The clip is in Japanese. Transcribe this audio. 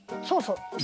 そうそう。